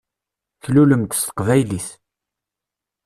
Tlulem-d s teqbaylit.